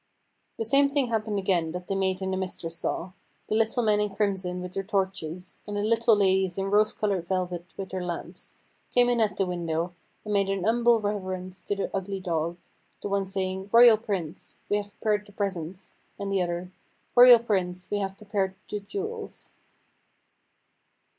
The same thing happened again that the maid and the mistress saw: the little men in crimson with their torches, and the little ladies in rose coloured velvet with their lamps, came in at the window, and made an humble reverence to the ugly dog, the one saying, "Royal Prince, we have prepared the presents," and the other, "Royal Prince, we have prepared the jewels."